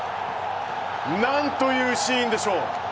何というシーンでしょう。